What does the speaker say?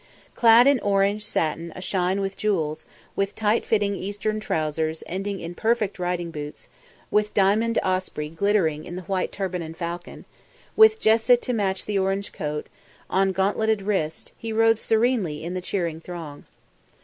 Clad in orange satin a shine with jewels, with tight fitting Eastern trousers ending in perfect riding boots, with diamond osprey glittering in the white turban and falcon, with jesse to match the orange coat, on gauntleted wrist, he rode serenely in the cheering throng.